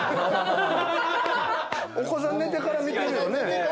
お子さん寝てから見てるよね。